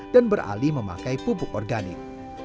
dan beralih memakai pupuk organik